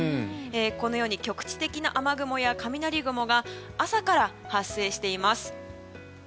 このように局地的な雨雲や雷雲が朝から発生しています。